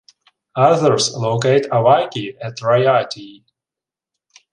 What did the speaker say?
Others locate Avaiki at Raiatea...